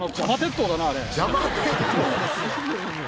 「“邪魔鉄塔”」